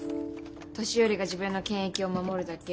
年寄りが自分の権益を守るだけ。